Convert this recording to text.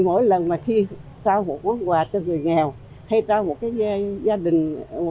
mỗi lần khi trao một quán quà cho người nghèo hay trao một cái gia đình